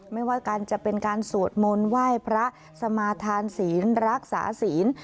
ไม่ว่าการจะเป็นการสวดมนต์ไหว้พระสมาธานศีลรักษาศีล